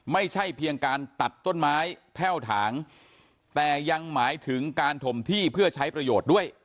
ไม่ใช่เพียงการตัดต้นไม้แพ่วถางแต่ยังหมายถึงการถมที่เพื่อใช้ประโยชน์ด้วย